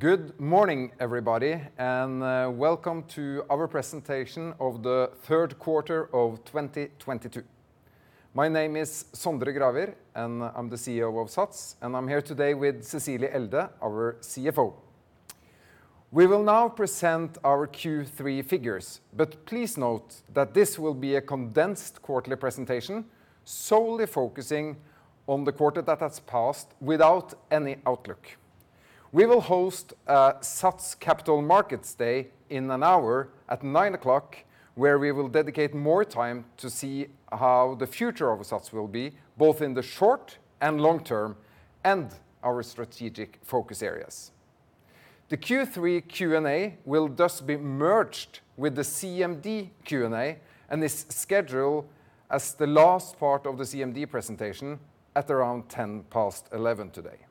Good morning, everybody, and welcome to our presentation of the third quarter of 2022. My name is Sondre Gravir, and I'm the CEO of SATS, and I'm here today with Cecilie Elde, our CFO. We will now present our Q3 figures, but please note that this will be a condensed quarterly presentation solely focusing on the quarter that has passed without any outlook. We will host a SATS Capital Markets Day in an hour at 9:00 A.M., where we will dedicate more time to see how the future of SATS will be, both in the short and long term, and our strategic focus areas. The Q3 Q&A will thus be merged with the CMD Q&A and is scheduled as the last part of the CMD presentation at around 11:10 A.M. today.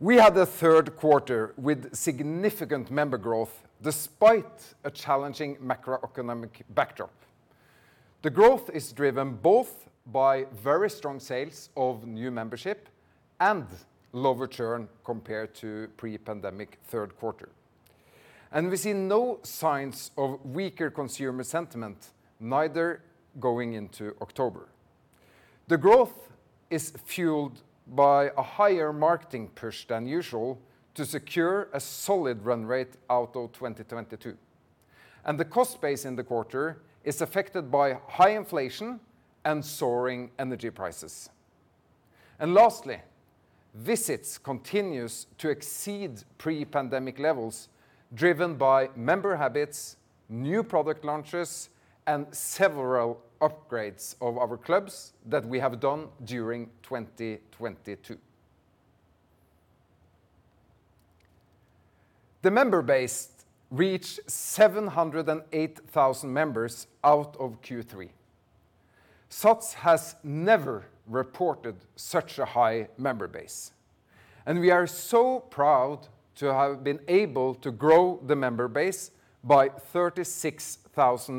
We had a third quarter with significant member growth despite a challenging macroeconomic backdrop. The growth is driven both by very strong sales of new membership and low return compared to pre-pandemic third quarter. We see no signs of weaker consumer sentiment, neither going into October. The growth is fueled by a higher marketing push than usual to secure a solid run rate out of 2022. The cost base in the quarter is affected by high inflation and soaring energy prices. Lastly, visits continues to exceed pre-pandemic levels, driven by member habits, new product launches, and several upgrades of our clubs that we have done during 2022. The member base reached 708,000 members out of Q3. SATS has never reported such a high member base, and we are so proud to have been able to grow the member base by 36,000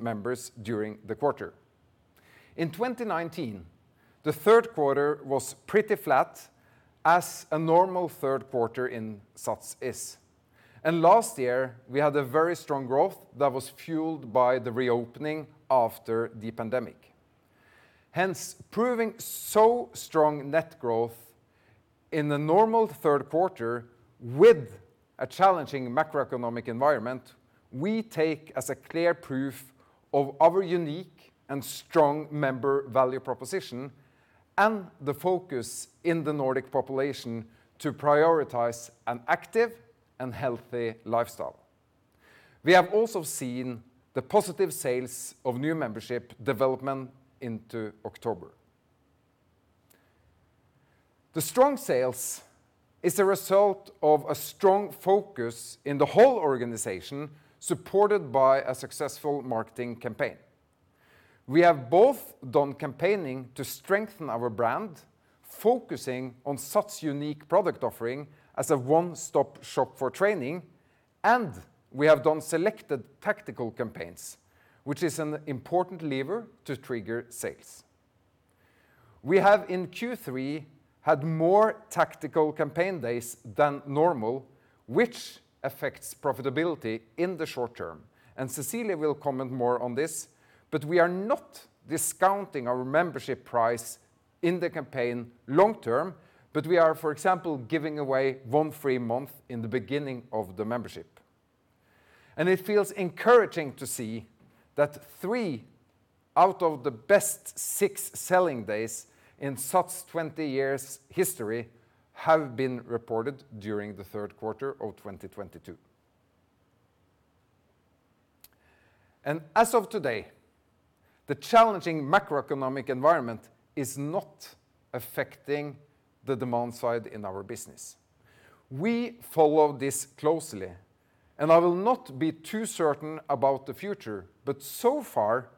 members during the quarter. In 2019, the third quarter was pretty flat, as a normal third quarter in SATS is. Last year, we had a very strong growth that was fueled by the reopening after the pandemic. Hence, proving so strong net growth in the normal third quarter with a challenging macroeconomic environment, we take as a clear proof of our unique and strong member value proposition and the focus in the Nordic population to prioritize an active and healthy lifestyle. We have also seen the positive sales of new membership development into October. The strong sales is a result of a strong focus in the whole organization, supported by a successful marketing campaign. We have both done campaigning to strengthen our brand, focusing on SATS' unique product offering as a one-stop shop for training, and we have done selected tactical campaigns, which is an important lever to trigger sales. We have in Q3 had more tactical campaign days than normal, which affects profitability in the short term. Cecilie will comment more on this, but we are not discounting our membership price in the campaign long term, but we are, for example, giving away one free month in the beginning of the membership. It feels encouraging to see that three out of the best six selling days in SATS' 20 years history have been reported during the third quarter of 2022. As of today, the challenging macroeconomic environment is not affecting the demand side in our business. We follow this closely, and I will not be too certain about the future, but so far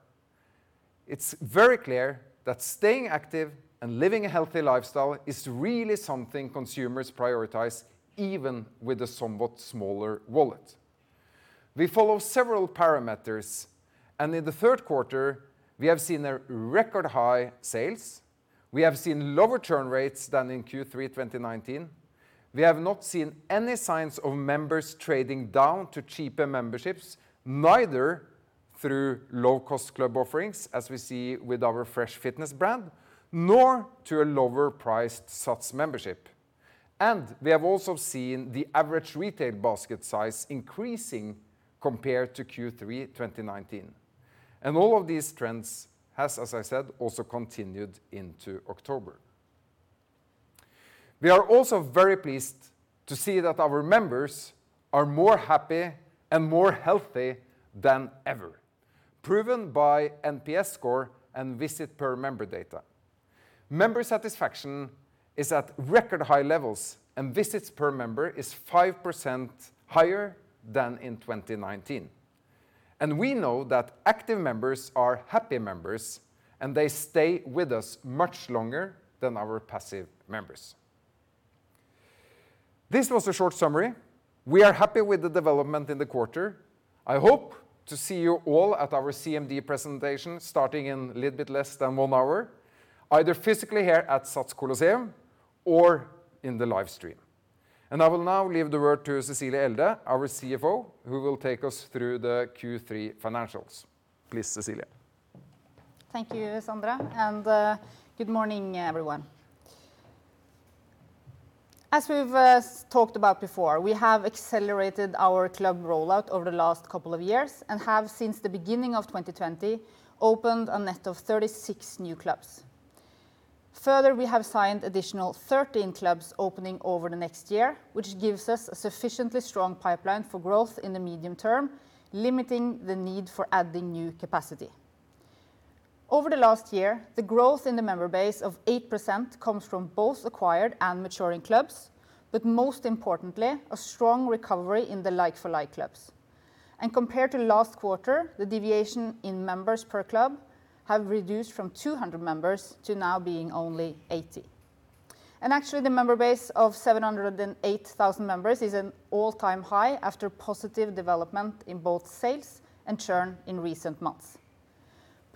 it's very clear that staying active and living a healthy lifestyle is really something consumers prioritize, even with a somewhat smaller wallet. We follow several parameters, and in the third quarter, we have seen a record high sales. We have seen lower churn rates than in Q3 2019. We have not seen any signs of members trading down to cheaper memberships, neither through low-cost club offerings as we see with our Fresh Fitness brand, nor to a lower-priced SATS membership. We have also seen the average retail basket size increasing compared to Q3 2019. All of these trends has, as I said, also continued into October. We are also very pleased to see that our members are more happy and more healthy than ever, proven by NPS score and visit per member data. Member satisfaction is at record high levels, and visits per member is 5% higher than in 2019. We know that active members are happy members, and they stay with us much longer than our passive members. This was a short summary. We are happy with the development in the quarter. I hope to see you all at our CMD presentation starting in a little bit less than one hour, either physically here at SATS Colosseum or in the live stream. I will now leave the word to Cecilie Elde, our CFO, who will take us through the Q3 financials. Please, Cecilie. Thank you, Sondre, and good morning, everyone. As we've talked about before, we have accelerated our club rollout over the last couple of years and have since the beginning of 2020 opened a net of 36 new clubs. Further, we have signed additional 13 clubs opening over the next year, which gives us a sufficiently strong pipeline for growth in the medium term, limiting the need for adding new capacity. Over the last year, the growth in the member base of 8% comes from both acquired and maturing clubs, but most importantly, a strong recovery in the like-for-like clubs. Compared to last quarter, the deviation in members per club have reduced from 200 members to now being only 80. Actually, the member base of 708,000 members is an all-time high after positive development in both sales and churn in recent months.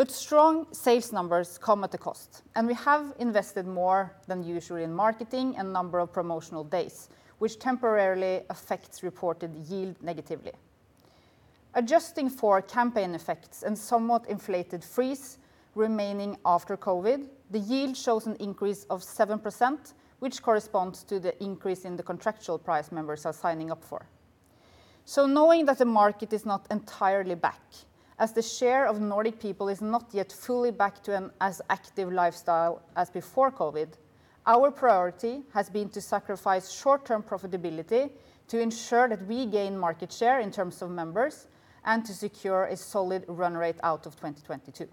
Strong sales numbers come at a cost, and we have invested more than usual in marketing and number of promotional days, which temporarily affects reported yield negatively. Adjusting for campaign effects and somewhat inflated freeze remaining after COVID, the yield shows an increase of 7%, which corresponds to the increase in the contractual price members are signing up for. Knowing that the market is not entirely back, as the share of Nordic people is not yet fully back to an as active lifestyle as before COVID, our priority has been to sacrifice short-term profitability to ensure that we gain market share in terms of members and to secure a solid run rate out of 2022.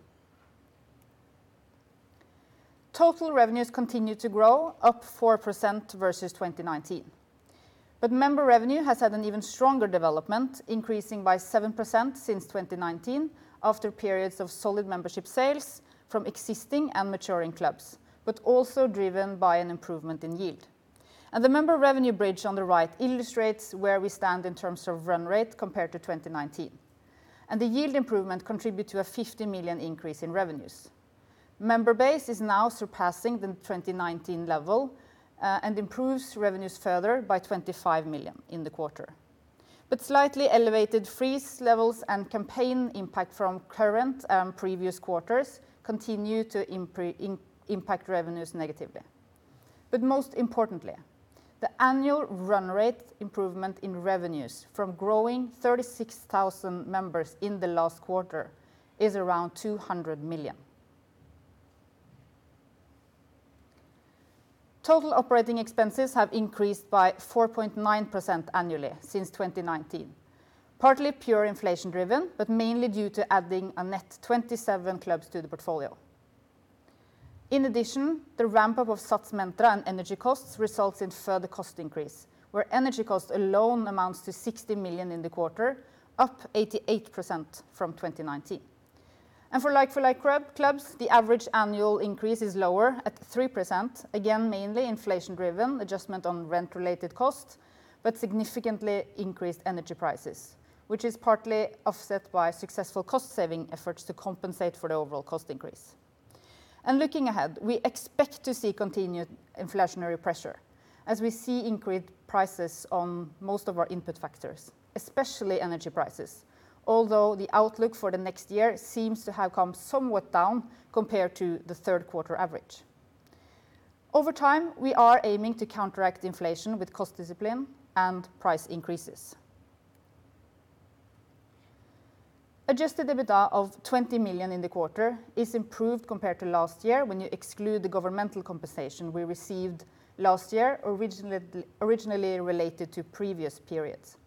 Total revenues continue to grow up 4% versus 2019. Member revenue has had an even stronger development, increasing by 7% since 2019 after periods of solid membership sales from existing and maturing clubs, but also driven by an improvement in yield. The member revenue bridge on the right illustrates where we stand in terms of run rate compared to 2019. The yield improvement contributes to a 50 million increase in revenues. Member base is now surpassing the 2019 level, and improves revenues further by 25 million in the quarter. Slightly elevated freeze levels and campaign impact from current and previous quarters continue to impact revenues negatively. Most importantly, the annual run rate improvement in revenues from growing 36,000 members in the last quarter is around 200 million. Total operating expenses have increased by 4.9% annually since 2019, partly pure inflation driven, but mainly due to adding a net 27 clubs to the portfolio. In addition, the ramp up of SATS Mantra and energy costs results in further cost increase, where energy costs alone amounts to 60 million in the quarter, up 88% from 2019. For like-for-like clubs, the average annual increase is lower at 3%, again, mainly inflation driven, adjustment on rent related costs, but significantly increased energy prices, which is partly offset by successful cost saving efforts to compensate for the overall cost increase. Looking ahead, we expect to see continued inflationary pressure as we see increased prices on most of our input factors, especially energy prices, although the outlook for the next year seems to have come somewhat down compared to the third quarter average. Over time, we are aiming to counteract inflation with cost discipline and price increases. Adjusted EBITDA of 20 million in the quarter is improved compared to last year when you exclude the governmental compensation we received last year, originally related to previous periods.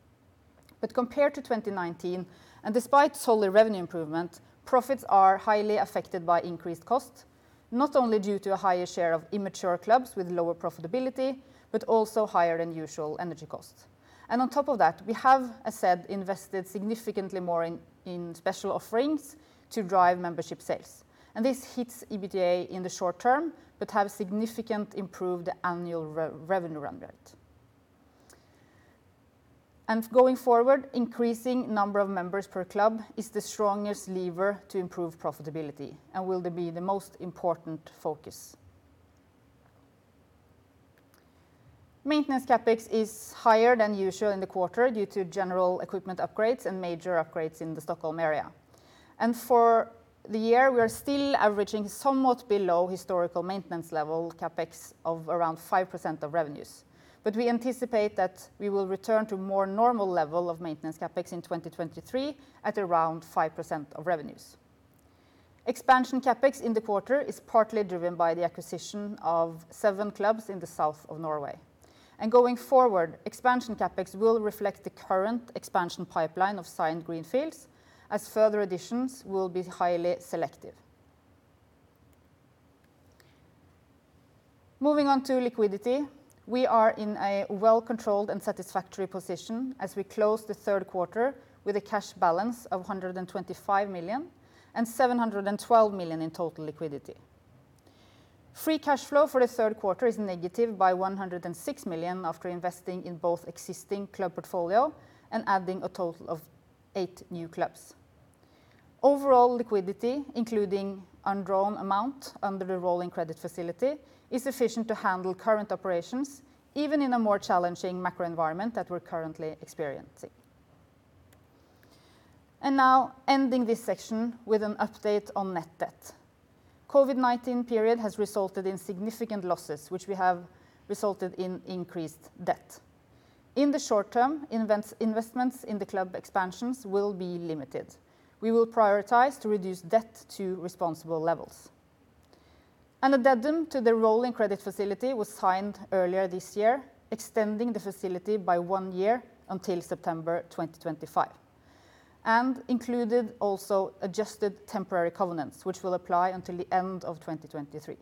Compared to 2019, and despite solid revenue improvement, profits are highly affected by increased costs, not only due to a higher share of immature clubs with lower profitability, but also higher than usual energy costs. On top of that, we have, as said, invested significantly more in special offerings to drive membership sales. This hits EBITDA in the short term, but have significant improved annual revenue run rate. Going forward, increasing number of members per club is the strongest lever to improve profitability and will be the most important focus. Maintenance CapEx is higher than usual in the quarter due to general equipment upgrades and major upgrades in the Stockholm area. For the year, we are still averaging somewhat below historical maintenance level CapEx of around 5% of revenues. We anticipate that we will return to more normal level of maintenance CapEx in 2023 at around 5% of revenues. Expansion CapEx in the quarter is partly driven by the acquisition of seven clubs in the south of Norway. Going forward, expansion CapEx will reflect the current expansion pipeline of signed greenfields as further additions will be highly selective. Moving on to liquidity, we are in a well-controlled and satisfactory position as we close the third quarter with a cash balance of 125 million and 712 million in total liquidity. Free cash flow for the third quarter is negative by 106 million after investing in both existing club portfolio and adding a total of eight new clubs. Overall liquidity, including undrawn amount under the revolving credit facility, is sufficient to handle current operations, even in a more challenging macro environment that we're currently experiencing. Now ending this section with an update on net debt. COVID-19 period has resulted in significant losses, which have resulted in increased debt. In the short term, investments in the club expansions will be limited. We will prioritize to reduce debt to responsible levels. An addendum to the revolving credit facility was signed earlier this year, extending the facility by one year until September 2025, and included also adjusted temporary covenants, which will apply until the end of 2023.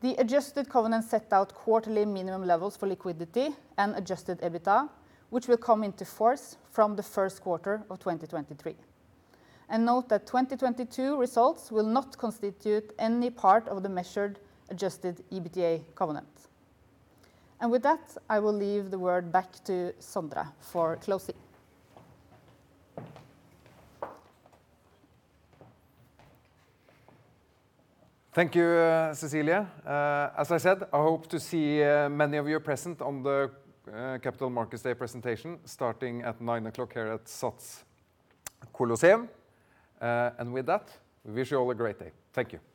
The adjusted covenant set out quarterly minimum levels for liquidity and adjusted EBITDA, which will come into force from the first quarter of 2023. Note that 2022 results will not constitute any part of the measured adjusted EBITDA covenant. With that, I will leave the word back to Sondre for closing. Thank you, Cecilie. As I said, I hope to see many of you present on the Capital Markets Day presentation starting at 9:00 A.M. here at SATS Colosseum. With that, we wish you all a great day. Thank you.